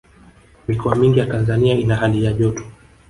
mikoa mingi ya tanzania ina hali ya joto